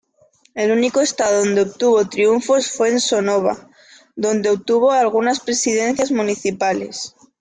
El único estado donde obtuvo triunfos fue en Sonora, donde obtuvo algunas Presidencias Municipales.